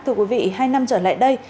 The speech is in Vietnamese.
thưa quý vị hai năm trở lại đây